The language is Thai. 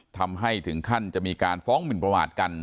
ทำให้ถึงขั้นจะมีการฟ้องหมินประมาทกัน